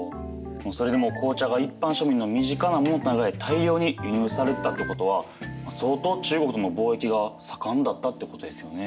それでもう紅茶が一般庶民の身近なものとなるぐらい大量に輸入されてたってことは相当中国との貿易が盛んだったってことですよね。